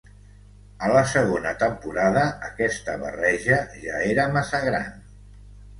A la segona temporada, aquesta barreja ja era massa gran.